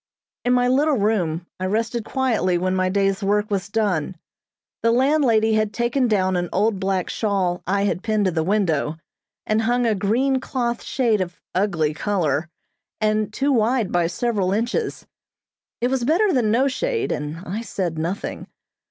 In my little room I rested quietly when my day's work was done. The landlady had taken down an old black shawl I had pinned to the window, and hung a green cloth shade of ugly color, and too wide by several inches. It was better than no shade, and I said nothing.